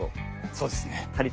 そうですね。